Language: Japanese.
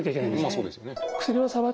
まあそうですね。